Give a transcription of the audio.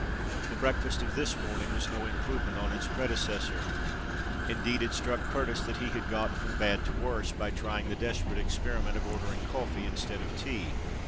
The breakfast of this morning was no improvement on its predecessor: indeed, it struck Curtis that he had got from bad to worse by trying the desperate experiment of ordering coffee instead of tea.